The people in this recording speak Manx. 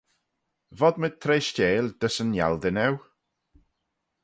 Vodmayd treishteil dys yn ghialdyn eu?